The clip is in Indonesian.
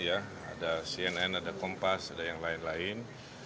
ada cnn ada kompas ada yang lain lain